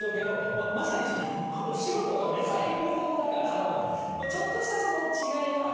まさにそのお仕事がね声優さんだからちょっとしたその違いもね